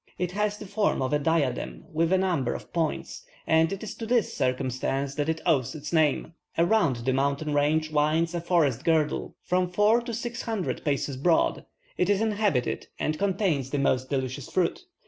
It has the form of a diadem with a number of points, and it is to this circumstance that it owes its name. Around the mountain range winds a forest girdle, from four to six hundred paces broad; it is inhabited, and contains the most delicious fruit.